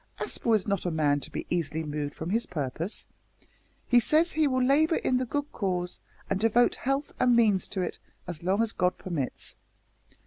"Aspel is not a man to be easily moved from his purpose. He says he will labour in the good cause, and devote health and means to it as long as God permits."